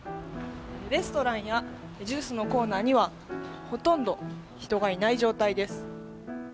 レストランやジュースのコーナーにはほとんど人がいない状態です。